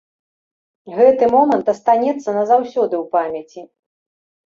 Гэты момант астанецца назаўсёды ў памяці.